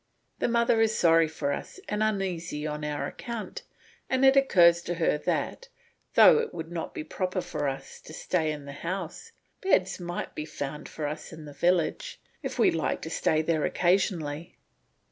The mother is sorry for us and uneasy on our account, and it occurs to her that, though it would not be proper for us to stay in the house, beds might be found for us in the village, if we liked to stay there occasionally.